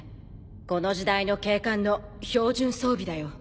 この時代の警官の標準装備だよ。